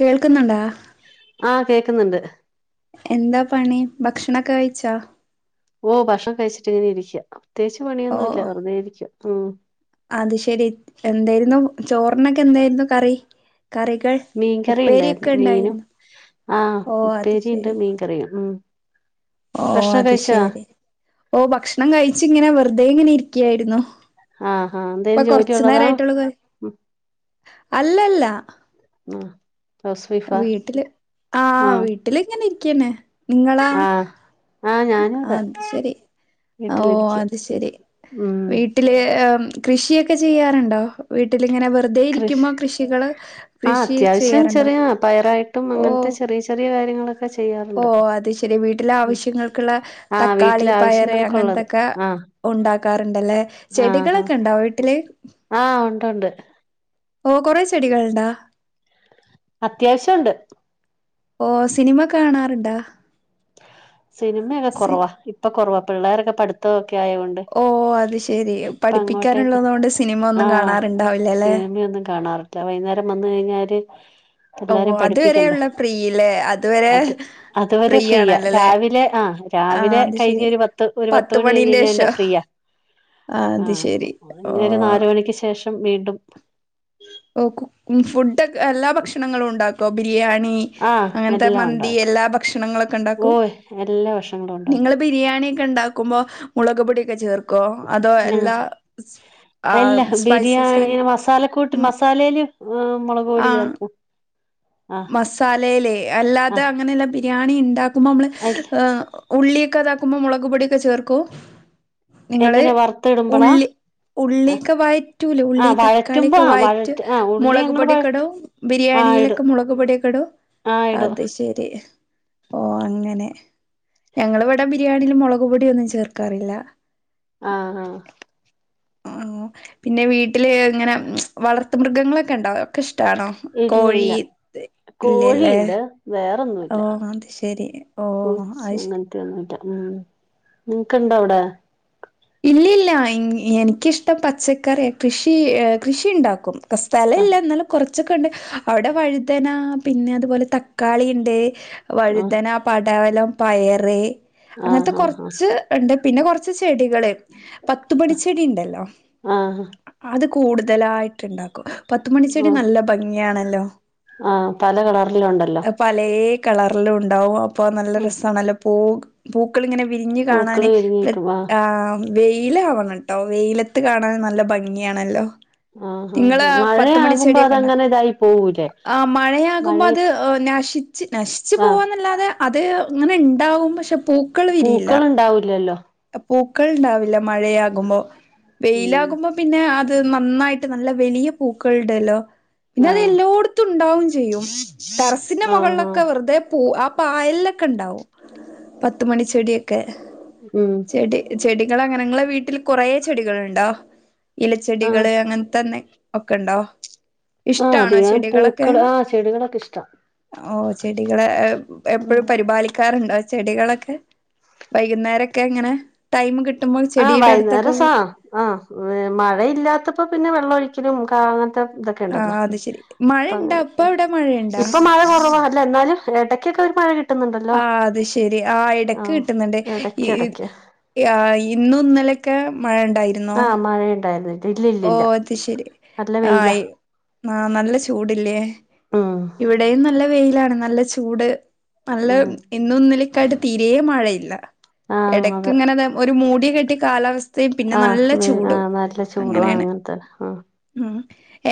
കേൾക്കുന്നിണ്ടാ? ആ കേക്കുന്നിണ്ട് എന്താ പണി ഭക്ഷണക്കെ കഴിച്ചോ? ഓ ഭക്ഷണം കഴിച്ചിട്ട് ഇങ്ങനെ ഇരിക്കാ പ്രത്യേകിച്ച് ഓ പണിയൊന്നും ഇല്ല വെറുതെ ഇരിക്ക ഉം അത് ശരി എന്തായിരുന്നു ചോറിനൊക്കെ എന്തായിരുന്നു കറി കറികൾ? മീൻകറിയിണ്ടാരുന്നു ഉപ്പേരിയൊക്കെ മീനും ഉണ്ടായിരുന്നു ആ ഓ അത് ഉപ്പേരിയിണ്ട് ശരി മീൻകറിയും ഉം ഓ ഭക്ഷണം അത് കഴിച്ചാ ശെരി ഓ ഭക്ഷണം കഴിച്ച് ഇങ്ങനെ വെറുതെ ഇങ്ങനെ ഇരിക്കായിരുന്നു. ആഹ് ആഹ് ഇപ്പൊ എന്തേലും ജോലി കൊറച്ചു ഉള്ളതാ നേരായിട്ടുള്ളൂ അല്ലല്ല ആ വീട്ടില് ആഹ് വീട്ടില് ഇങ്ങനെ ഇരിക്കാണ്. നിങ്ങളോ? ആഹ് ആഹ് ഞാനും അതെ അത് ശരി ഓ വീട്ടിലിരിക്ക അത് ശെരി ഉം വീട്ടില് കൃഷിയൊക്കെ ചെയ്യാറുണ്ടോ? വീട്ടിലിങ്ങനെ വെറുതെ കൃഷി ഇരിക്കുമ്പോ കൃഷികള് ആഹ് കൃഷി അത്യാവശ്യം ചെയ്യാറുണ്ടോ? ചെറിയ പയറായിട്ടും ഓ അങ്ങനത്തെ ചെറിയ ചെറിയ കാര്യങ്ങളൊക്കെ ഓ ചെയ്യാറുണ്ട് അത് ശെരി വീട്ടിലെ ഉം ആവശ്യങ്ങൾക്കുള്ള ആഹ് തക്കാളി വീട്ടിലെ പയറ് ആവശ്യങ്ങൾക്കുള്ളത് അങ്ങനത്തൊക്കെ ആഹ് ഒണ്ടാക്കാറുണ്ടല്ലേ ആഹ് ആഹ് ചെടികളൊക്കെ ഉണ്ടോ വീട്ടില്? ആഹ് ഉണ്ട് ഉണ്ട് ഓ കൊറെ ചെടികളുണ്ടാ? അത്യാവശ്യം ഉണ്ട് ഓ സിനിമ കാണാറുണ്ടാ? സിനിമയൊക്കെ സി കുറവാ ഇപ്പൊ കുറവാ പിള്ളേരൊക്കെ പഠിത്തം ഒക്കെ ആയോണ്ട് ഓഹ് അത് ശെരി ഇപ്പങ്ങോട്ടേക്ക് പഠിപ്പിക്കാനുള്ളത് കൊണ്ട് സിനിമ ഒന്നും ആഹ് കാണാറുണ്ടാവില്ലല്ലേ? സിനിമയൊന്നും കാണാറ് ല്ലാ വൈകുന്നേരം വന്ന് കഴിഞ്ഞാല് ഓ എല്ലാരും പഠിപ്പിക്കണ്ട അതുവരെയുള്ള ഫ്രീല്ലേ അതുവരെ ഫ്രീയാണ് യാ രാവിലെ ആ രാവിലെ കഴിഞ്ഞ് ശെരി ഒരു പത്ത് ഒരു പത്ത് മണി കഴിഞ്ഞ് മണീന്റെ കഴിഞ്ഞാന്നെ ശേഷോ? ഫ്രീയാ അത് ആഹ് ശെരി ഇനി ഒരു ഓഹ് നാല് മണിക്ക് ശേഷം വീണ്ടും ഓ കു ഫുഡോക്കെ എല്ലാ ഭക്ഷണങ്ങളും ഉണ്ടാക്കോ? ബിരിയാണി ആഹ് അങ്ങനത്തെ എല്ലാം മന്തി ഉണ്ടാക്കും എല്ലാ ഭക്ഷണങ്ങളൊക്കെ ഉണ്ടാക്കും ഓയ് എല്ലാ ഭക്ഷണങ്ങളും നിങ്ങള് ഉണ്ടാക്കും ബീ ബിരിയാണി ഒക്കെ ഇണ്ടാക്കുമ്പോ മുളക് പൊടിക്കെ ചേർക്കു ക്കോ അതോ ഞങ്ങൾ എല്ലാ ആ സ്പൈസസല്ല മസാല കൂട്ടി മസാലേല് മുളക് പൊടി ചേർക്കും ആഹ് മസാലയിലേ അല്ലാതെ ആഹ് അങ്ങനെയല്ല ബിരിയാണി ഇണ്ടാക്കുമ്പോ നമ്മള് അല്ല ഉള്ളിയൊക്കെ അതാക്കുമ്പോ മുളക് പൊടിയൊക്കെ ചേർക്കോ നിങ്ങള് എങ്ങനെ വറുത്ത് ഇടുമ്പളാ ഉള്ളി ഉള്ളിയൊക്കെ വയറ്റൂലെ ആ ഉള്ളി തക്കാളി വഴറ്റുമ്പോ ഒക്കെ ആ വയറ്റ് വഴറ്റ് ആ ഉള്ളി മുളക് ഞങ്ങള് വഴറ്റി പൊടിക്കടവും ആ ബിരിയാണിയിലൊക്കെ ഇടും [unintelligible] ആ ഇടും അത് ശരി ഓ അങ്ങനെ ഞങ്ങൾ ഇവിടെ ബിരിയാണിയില് മുളക് പൊടിയൊന്നും ചേർക്കാറില്ല ആഹ് ഹാ ആഹ് പിന്നെ വീട്ടില് ഇങ്ങനെ വളർത്ത് മൃഗങ്ങളൊക്കെ ഉണ്ടോ ഒക്കെ ഇഷ്ടാണോ കോഴി ഇല്ലില്ല ഇല്ലല്ലേ കോഴിയ്ണ്ട് വേറെ ഓ അത് ശരി ഓ അയ്ശ ഒന്നൂറ്റ ഉം നിങ്ങക്ക് ഇണ്ടോ അവിടെ ഇല്ലില്ല എനിക്കിഷ്ടം പച്ചക്കറിയാ കൃഷി കൃഷി ഇണ്ടാക്കും സ്ഥല ആ ഇല്ല എന്നാലും കുറച്ചൊക്കെ ഉണ്ട് അവിടെ വഴുതന പിന്നെ അതുപോലെ തക്കാളി ഇണ്ട് ആ വഴുതന പടവലം പയറ് അങ്ങനത്ത ആഹ് ആഹ് കൊർച്ച് ഉണ്ട് പിന്നെ കൊറച്ച് ചെടികള് പത്ത് പണിച്ചെടി ഇണ്ടല്ലോ ആഹ് ആഹ് അത് കൂടുതലായിട്ട്ണ്ടാക്കും പത്തുമണിച്ചെടി നല്ല ഭംഗിയാണല്ലോ ആഹ് പല കളറില് ഒണ്ടല്ലോ പലേ കളറിലും ഉണ്ടാവും അപ്പൊ നല്ല ആ രസാണല്ലോ പൂ പൂക്കളിങ്ങനെ വിരിഞ്ഞു പൂക്കള് കാണാന് വിരിഞ്ഞിക്കും ആ ആഹ് വെയില് ആവണം ട്ടോ വെയിലത്ത് കാണാൻ നല്ല ഭംഗിയണല്ലോ ആഹ് ആഹ് നിങ്ങള് പത്തുമണി മഴയാകുമ്പോ ചെടിയൊക്കെ ഒണ്ടാ അതങ്ങനെ ഇതായി പോവൂലേ ആഹ് മഴയാകുമ്പോ അത് മഴയത്ത് നശി നശിച്ച് ആ പോവ്ന്നല്ലാതെ അത് ഇങ്ങനെ ഉണ്ടാവും പക്ഷെ പൂ പൂക്കള് ഇണ്ടാവൂലല്ലോ പൂക്കൾ ഇണ്ടാവില്ല മഴയാകുമ്പോ ഉം വെയിലാകുമ്പോ പിന്നെ അത് നന്നായിട്ട് നല്ല വെലിയ പൂക്കളുടേല്ലോ പിന്നെ അത് ആഹ് എല്ലോട്ത്തും ഉണ്ടാവും ചെയ്യും ടെറസിന്റെ ആഹ് ആഹ് മുകളിലൊക്കെ വെറുതെ പൂ ആ പായലിലൊക്കെ ഇണ്ടാവും പത്തുമണിച്ചെടിയൊക്കെ ഉം ചെടി ചെടികളങ്ങന ഇങ്ങള വീട്ടിൽ കൊറേ ചെടികളുണ്ടോ ആഹ് ഇലച്ചെടികള് അങ്ങനെത്തന്നെ ഒക്കെ ഒണ്ടോ ആഹ് അതികം പൂക്കള് ആഹ് ചെടികളൊക്കെ ഇഷ്ടാ ഓ ചെടികളെ ഉം എപ്പൊഴും പരിപാലിക്കാറുണ്ടോ ചെടികളൊക്കെ വൈകുന്നേരൊക്കെ ഇങ്ങനെ ടൈം കിട്ട് ആഹ് വൈന്നൂരസാ ആഹ് മഴയില്ലാത്തപ്പോ പിന്നെ വെള്ളം ഒഴിക്കലും അങ്ങനത്ത ഇത ആ ക്കെണ്ടല്ലോ അത് ശരി മഴ അപ്പ ഇണ്ടാ ഇപ്പ അങ്ങ അവിടെ മഴയുണ്ടാ ഇപ്പം മഴ കൊറവാ ല്ല എന്നാലും എടയ്ക്കൊക്കെ ഒര് മഴ കിട്ടും ആഹ് അത് ശെരി ആ ഇടക്ക് ആഹ് കിട്ടുന്നുണ്ട് ഇടക്ക് ഇടക്ക് ആഹ് ഇന്നും ഇന്നലേം ക്കെ മഴ ഒണ്ടായിരുന്നോ മഴ [unintelligible] ഓ അത് ശരി ആയി ആഹ് നല്ല ചൂടടല്ലേ ഇവി ഉം ഇവിടെയും നല്ല വെയിലാണ് നല്ല ചൂട് നല്ല ഉം ഇന്നും ഇന്നലെക്കെയായിട്ട് തീരേം മഴയില്ല ആഹ് എടയ്ക്ക് അതെ ഇങ്ങനെ ഒരു മൂടിയ കെട്ടിയ കാലാവസ്ഥയും പിന്നെ നല്ല ചൂടും ചൂട് അങ്ങനെയാണ് അങ്ങനത്തെ ആഹ് ഉം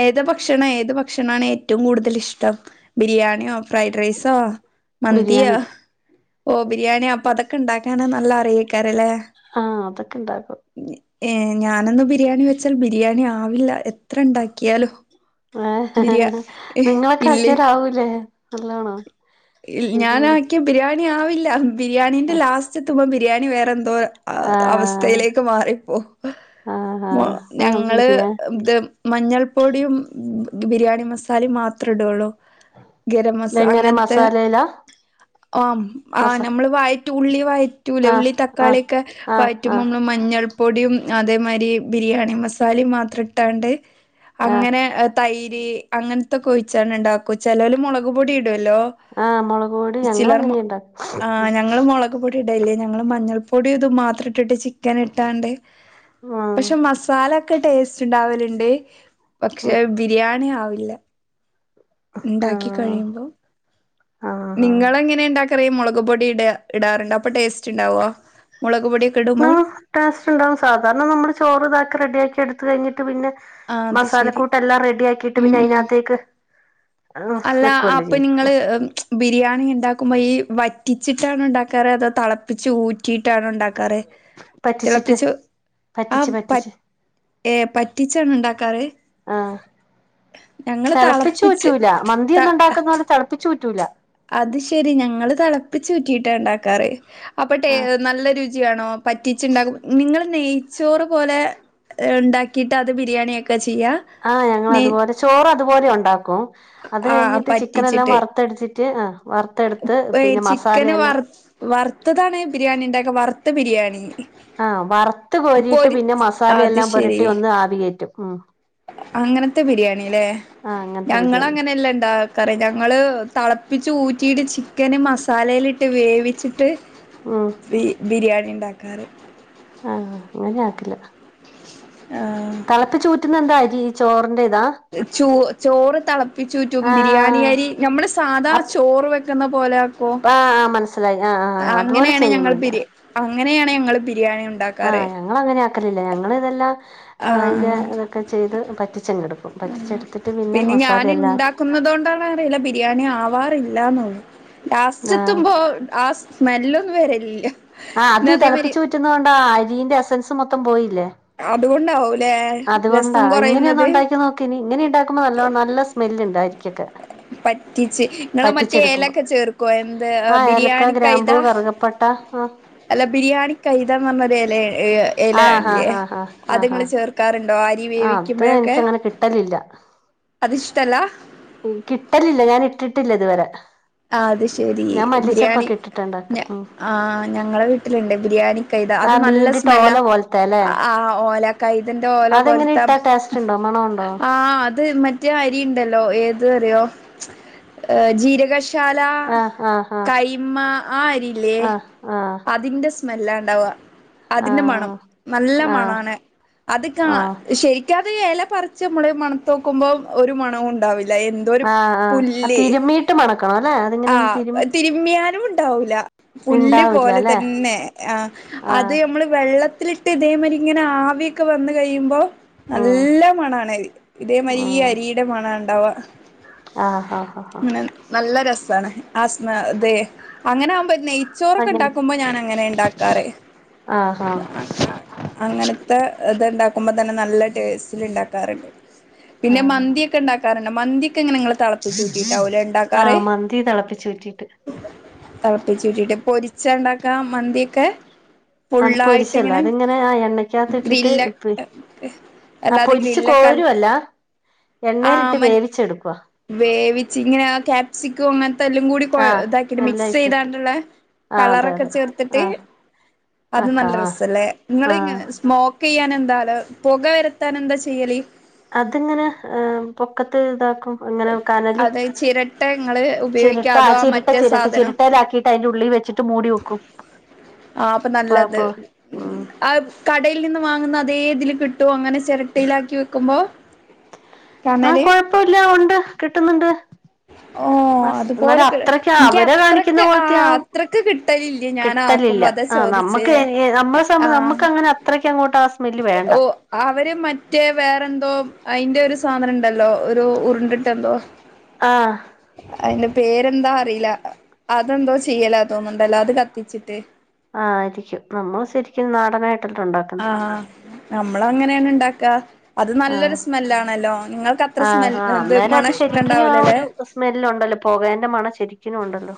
ഏത് ഭക്ഷണം ഏത് ഭക്ഷണാണ് ഏറ്റവും കൂടുതൽ ഇഷ്ടം ബിരിയാണിയോ ഫ്രൈഡ് റൈസോ മന്തിയോ ബിരിയാണി ഓ ബിരിയാണിയോ അപ്പൊ അതൊക്കെ ഉണ്ടാക്കാന നല്ല അറിയിക്കാരല്ലേ ആഹ് അതൊക്കെ ഇണ്ടാക്കും ഏഹ് ഞാനൊന്ന് ബിരിയാണി വെച്ചാൽ ബിരിയാണി ആവില്ല എത്ര ഇണ്ടാക്കിയാലും ഏഹ് നിങ്ങളൊക്കെ ഇല്ലേ ആക്കിയരാവൂലേ നല്ലോണം ഞാൻ ബിരിയാണി ആക്കിയ ബിരിയാണി ആവില്ല ബിരിയാണിന്റെ ലാസ്റ്റ് എത്തുമ്പോം ബിരിയാണി വേറെ എന്തോ ആഹ് അത്‌ അവസ്ഥയിലേക്ക് മാറിപ്പോ ആഹ് മാ ആഹ് ആഹ് ഞങ്ങള് ബിരിയാ ത് മഞ്ഞൾപ്പൊടിയും ബിരിയാണി മസാലിം മാത്രടൊള്ളു ഗരംമസ ഇതെങ്ങനെ അങ്ങൻത്തേ മസാലേലാ ആം ആഹ് മസ ഞ മ്മള് വയറ്റൂ ഉള്ളി വയറ്റൂലെ ആഹ് ഉള്ളിം ആഹ് തക്കാളിയൊക്കെ ആഹ് ആഹ് വയറ്റുമ്പൊന്ന് മ ഞ്ഞൾപൊടിം അതേമായ്രി ബിരിയാണി മസാലിം മാത്രം ഇട്ടാണ്ട് ആഹ് അങ്ങനെ തൈര് അങ്ങൻത്തൊക്കൊഴിച്ചാണ്ട് ഇണ്ടാക്കോ ചെലോല് മുളക്പൊടി ഇടൊല്ലോ ആഹ് മുളകു പൊടി ഞങ്ങളങ്ങനെ ഇണ്ടാ ക്പൊടി ഇടേല്ല്യ ഞങ്ങള് മഞ്ഞൾപ്പൊടിയും ഇതും മാത്രം ഇട്ടിട്ട് ചിക്കനിട്ടാണ്ട് ആഹ് പഷേ മസാലക്കെ ടേസ്റ്റ് ഉണ്ടാവല്ണ്ട് പക്ഷെ ഉം ബിരിയാണി ആവില്ല ഇണ്ടാക്കി ആഹ് കഴിയുമ്പോ ആഹ് ആഹ് നിങ്ങളെങ്ങനെ ഇണ്ടാക്കല് മുളക്പൊടി ഇടാ ഇടാറുണ്ടൊ അപ്പൊ ടേസ്റ്റ് ഇണ്ടാവോ മുളക്പൊടിയൊക്കെ ഇടുമോൾ ടേസ്റ്റ് ഇണ്ടാവും സാധാരണ നമ്മള് ചോറ് ഇതാക്ക റെഡിയാക്കി എടുത്ത് കഴിഞ്ഞിട്ട് പിന്നെ ആ അത് ശരി മസാലക്കൂട്ടെല്ലാം റെഡി ആക്കിട്ട് ഉം പിന്നെ ഉം അയിനകത്തേക്ക് അല്ല ആപ്പം നിങ്ങള് ബിരിയാണി ഇണ്ടാക്കുമ്പോ ഈ വറ്റിച്ചിട്ടാണോ ഇണ്ടാക്കാറ് അതോ തളപ്പിച്ച് ഊറ്റിയിട്ടാണോ ഇണ്ടാ ക്കാറ് പറ്റിച്ചിട്ട് തിളപ്പിച്ചു ആഹ് പറ്റിച്ച് പറ്റിച്ച് പറ്റ് ഏഹ് പ റ്റിച്ചാണോ ഇണ്ടാക്കാറ് ആഹ് ഞങ്ങള് തളപ്പിച്ച് തെളപ്പിച്ചൂറ്റൂല മന്തി ത ഒന്ന്ണ്ടാക്കുന്നോലെ തെളപ്പിച്ചൂറ്റൂല അത് ശെരി ഞങ്ങള് തിളപ്പിചൂറ്റിട്ട ഇണ്ടാക്കാറ് അപ്പ ട്ടേ ആഹ് നല്ല രു ചിയാണോ പറ്റിചിണ്ടാകുമ്പോ നിങ്ങള് നെയ്ച്ചോറ് പോലെ ഇണ്ടാക്കിട്ട് അത് ബിരിയാണിയാക്കാ ചെയ്യ ആഹ് ഞങ്ങളതുപോലെ ചോറതുപോലെ ഉണ്ടാക്കും അത് ആഹ് കഴിഞ്ഞിട്ട് ചിക്കനെല്ലാം പറ്റിച്ചിട്ട് വറുത്തടിച്ചി റ്റ് ആഹ് വറുതെട്ത്ത് പിന്നെ മസാലയെല്ലാ വറ്ത്തതാണ് ബിരിയാണി ഇണ്ടാക്ക വറുത്ത ബിരിയാണി ആഹ് വറുത്ത് കോരീട്ട് പൊരി പിന്നെ അത് മസാലെയെല്ലാം ശരി പുരട്ടി ഒന്ന് ആവികേറ്റും ഉം അങ്ങനത്തെ ബിരിയാണി ലേ ആഹ് അങ്ങനത്തെ ബിരിയാണി ഞങ്ങളങ്ങനെയല്ല ഇണ്ടാ കാറ് ഞങ്ങള് തളപ്പിച്ച് ഊറ്റിട്ട് ചിക്കന് മസാലയ്ല്ട്ട് വേവിച്ചിട്ട് ഉം ബി ബിരിയാണി ഇണ്ടാക്കാറ് ആഹ് അങ്ങനെ ആട്ടല് ആഹ് തളപ്പിചൂറ്റുന്ന എന്താ അരി ചോറിന്റെ ഇതാ ചോ ചോറ് തളപ്പിചൂറ്റും ബിരിയാണി ആഹ് അരി നമ്മള് സാധാ ചോറ് വെ ക്ക്ന്ന പോലെ ആക്കോ ആഹ് ആഹ് മനസ്സിലായി ആഹ് ആഹ് അതുപോലെ അങ്ങനേണ് ഞങ്ങൾ ചെയ്യുന്നില്ല ബിരി അങ്ങനേണ് ഞങ്ങള് ബിരിയാണി യുണ്ടാക്കാറ് ഞങ്ങളങ്ങനെ ആക്കലില്ല ഞങ്ങളിതല്ലാം അയിന്റെ ആഹ് ഇതൊക്കെ ചെയ്ത് പറ്റിച്ചെങ്ങെടുക് ക്കും. പറ്റിച്ചെടുത്തിട്ട് പിന്നെ മസാല എല്ലാം ആക് ന്നതോണ്ടാണൊ അറിയൂല ബിരിയാണി ആവാറില്ലാന്നൊള്ളു ആഹ് ലാസ്റ്റത്ത്മ്പോൾ ആ സ്മെല്ലൊന്നും വെരൽല്ല ആഹ് അത് തെളപ്പിച്ചൂറ്റുന്നതോണ്ടാ അരീന്റെ എസൻസ് മൊത്തം പോയില്ലേ അതുകൊണ്ടാവൂലേ അതുകൊണ്ടാ രസം ഇങ്ങനെയൊന്ന് കുറയുന്നത് ഉണ്ടാക്കി നോക്ക് ഇനി ഇങ്ങനെ ഉണ്ടാക്കുമ്പോ നല്ലോണം നല്ല സ്മെല്ല് ണ്ട് അരിക്കൊക്കെ പറ്റിച്ച്. ഇങ്ങള് മറ്റേ പറ്റിച്ചെടുക്കുമ്പോ എലൊക്കെ ചേർക്കോ എന്ത് ആഹ് ഏലക്ക ബിരിയാണി കൈത ഗ്രാമ്പൂ കറുകപ്പട്ട അല്ല ബിരിയാണി കൈതാന്ന് പറഞ്ഞൊരു എല ഏ എലയിൺല്ലേ അഹ് ആഹാ ർക്കാറ്ണ്ടോ അരി ആഹ് ത് വേവിക്കുമ്പോഴൊക്കെ എനിക്കങ്ങനെ കിട്ടലില്ല അത് ഇഷ്ടല്ല കിട്ടലില്ല ഞാന് ഇട്ടിട്ടില്ല ഇത് വരെ അത് ശെരി ബിര്യാണി ഇട്ടിട്ടുണ്ടാക്കും ഞ ഉം ആഹ് ഞങ്ങളെ വീട്ടില്ണ്ട് ബിരിയാണി കൈതാ അത് ആഹ് നല്ല നീണ്ടിട്ട് സ്മെല്ലാ ഓല പോലത്തെ അല്ലേ ആഹ് ഓല കൈതന്റെ ഓല അതെങ്ങനെ പോൽത്തെ ഇട്ടാ ടേസ്റ്റ് ഉണ്ടോ മണമുണ്ടോ ആഹ് അത് മ മറ്റെ അരിണ്ടല്ലോ ഏത് റിയോ ജീരകശാ ശാല ആഹ് ആഹ് ആഹ് കൈമ ആ അരില്ലേ ആഹ് അതിന്റെ സ് സ്മെല്ലാണ്ടാവാ അതിന്റെ മണം ആഹ് നല്ല ആഹ് ആഹ് മണാണ് അത്ക ആഹ് ശെരിക്കത് എല പറിച്ച്മ്മള് മണത്തോക്കുമ്പോ ഒരു മണവും ഉണ്ടാവില്ല എ ആഹ് ആഹ് ആ തിര്മ്മീട്ട് മണക്കണോലെ ആഹ് തിര്മ്മ്യാലും ഇണ്ടാവൂല പുല്ല് ഉണ്ടാവില്ല പോലെ അല്ലെ തന്നെ ആഹ് അത് ആഹ് നമ്മള് വെള്ളത്തില്ട്ട് ഇതേമാരി ങ്ങനെ ആവിയൊക്കെ വന്ന് കഴിയുമ്പോ ഉം നല്ല മണാണ് ഇതേമാരി ഈ ഉം അരീന്റെ മണാണ്ടവാ. ആഹ് ആഹ് ഹ ഹാ നല്ല രസാണ് ആ സ്മെ ദേ അങ്ങനെ ആവുമ്പോ നെയ് ചോറൊക്കെ ആഹ് ണ്ടാക്കുമ്പോ ഞാനങ്ങനെ ണ്ടാക്കാറ് ആഹ് ആഹ് അങ്ങനത്തെ ഇത് ഇണ്ടാക്കുമ്പോ തന്നെ നല്ല ടേസ്റ്റില് ണ്ടാക്കാറ്ണ്ട്. പിന്നെ ആഹ് മന്ത്യോക്കെണ്ടാക്കാറ്ണ്ട്. മന്ത്യോക്കെങ്ങനെ ങ്ങള് തെളപ്പിച്ചൂറ്റിട്ടാവുംല്ലേ ണ്ടാക്കാറ്. ന്തി തളപ്പിച്ചൂറ്റീട്ട്. തെളപ്പിച്ചൂറ്റിട്ട് പൊരിച്ചാണ്ടാക്കാ മന്ത്യോക്കെ? അത് പൊരിച്ചല്ല അതിങ്ങനെ ആഹ് എണ്ണക്കകത്തിട്ട്ട്ട് ഗ്രില്ല ആഹ് അല്ലാതെ പ്പൊരിച്ച് ഗ്രില്ലൊക്കെ കോരുവല്ല ആഹ് എണ്ണേല്ട്ട് മ വേവിച്ചെട്ക്കുവ. വേവിച്ച് ങ്ങനെ ആ ക്യാപ്സിക്കോ അങ്ങൻത്തെല്ലും കൂടി കൊയ് ആഹ് താക്കിട്ട് എല്ലാം ഇട്ടിട്ട് മിക്സെയ്താണ്ട്ള്ളെ, ആഹ് അതെ കളറൊക്കെ അതെ ചേർത്ത്ട്ട്. ആഹ് അത് ആക്കാ നല്ല രസല്ലേ ആഹ് ങ്ങള്ങ്ങനെ സ്മോ ക്കീയാനെന്താലെ പൊകവര്ത്താനെന്താ ചെയ്യല്? അത്ങ്ങനെ ആഹ് പൊക്കത്ത് താക്കും. ങ്ങനെ കനല് അത് ചിരട്ട ഇങ്ങള് ഉപയോഗിക്കാ ചിരട്ട അതോ ആ ചിരട്ട മറ്റേ ചിരട്ട സാധനോ ചിരട്ടേലാക്കി ട്ട് ഐന്റെ ഉള്ളീ വെച്ച് ആഹ് അപ്പം അപ്പ നല്ലത് അപ്പൊ ഉം അത് കടയിൽ നിന്ന് വാങ്ങുന്ന അതേ തില് കിട്ടോ അങ്ങനെ ചെരട്ടയിലാക്കി വെക്കുമ്പോ? ആഹ് കണല് കൊഴപ്പോല്ല ഒണ്ട് കിട്ട്ന്ന്ണ്ട്. ഓ... ഓ അതുപോലെ ക് ഇൻക് അവരെ കാണിക്കുന്ന അത്രക്ക് പോലത്തെ ആ ആഹ് അത്രക്ക് കിട്ടലില്ല ഞാൻ ആക്കുമ്പോ അതാ ചോ ആഹ് നമ്മക്ക് നമ്മളെ സം നമ്മക്ക് അങ്ങനെ അത്രയ്ക്ക് അങ്ങോട്ട് ആ സ്മെല്ല് വേണ്ട ഓ അവര് മറ്റേ വേറെന്തോ അയ്ന്റെ ഒരു സാധനണ്ടല്ലോ ഒരു ഉർണ്ട്ട്ടെന്തോ ആഹ് അയ്ന്റെ പേരെന്താ അറീല. അതെന്തോ ചെയ്യലാ തോന്ന്ണ്ടല്ലോ അത് കത്തിച്ച്ട്ട് ആഹ് ആയിരിക്കും. നമ്മള് ശെരിക്കും നാടനായിട്ടല്ലെ ഉണ്ടാ ആഹ് നമ്മളങ്ങനേണ് ണ്ടാക്കാ അത് നല്ലൊരു ആഹ് സ്മെല്ലാണല്ലോ, നിങ്ങൾക്കത്ര ആഹ് സ്മെല്ല് ഇത് മണം ഇഷ്ട്ടണ്ടാവൂലലേ? സ്മെല്ലുണ്ടല്ലോ പോകേന്റെ മണം ശരിക്കിനൂണ്ടല്ലോ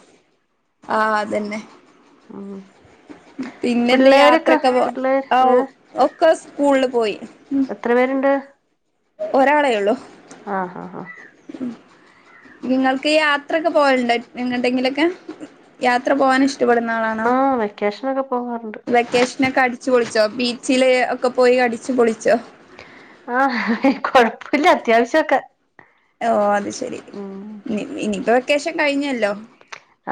ആഹ് അതന്നെ. ഉം പിന്നെന്താ പിള്ളേരൊക്കെ യാത്രൊക്കെ പോ പിള്ളേര് ഓ ഏഹ് ഒക്കെ സ്കൂൾല് പോയി. എത്ര പേര്ണ്ട്? ഒരാളേയൊള്ളു. ആഹ് ആഹ് നിങ്ങൾക്ക് യാത്രൊക്കെ പോവല് ണ്ടോ എങ്ങട്ടെങ്കിലൊക്കെ യാത്ര പോവാൻ ഇഷ്ട്ടപ്പെട്ന്ന ആളാണോ? സ്റ്റേഷനൊക്കെ പോവാറുണ്ട്. വെക്കേഷനൊക്കെ അടിച്ച് പൊളിച്ചോ ബീച്ചില് ഒക്കെ പോയി അടിച്ചു പൊളിച്ചോ. ആഹ് കൊഴപ്പുല്ല അത്യാവശ്യം ഒക്കെ. ഓ അത് ശെരി നി ഇനിപ്പോ വെക്കേഷൻ കഴിഞ്ഞല്ലോ.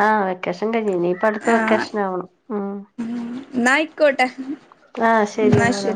ആഹ് വെക്കേഷൻ കൈഞ്ഞ് ഇനീപ്പോ അട്ത്ത ആഹ് വെക്കേഷനാവണം ഉം ഉം ന്നായിക്കോട്ടെ. ആഹ് ശെരി ങ്ങനെ.